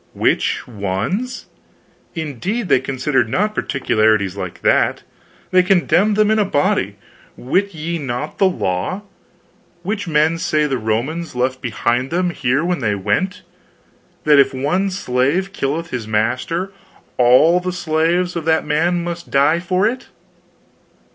"Which ones? Indeed, they considered not particulars like to that. They condemned them in a body. Wit ye not the law? which men say the Romans left behind them here when they went that if one slave killeth his master all the slaves of that man must die for it."